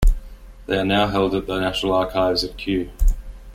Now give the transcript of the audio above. They are now held at The National Archives at Kew.